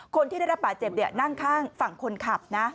คนที่ได้รับบาดเจ็บนั่งข้างฝั่งคนขับนะ